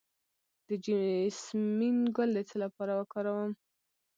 د جیسمین ګل د څه لپاره وکاروم؟